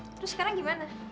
terus sekarang gimana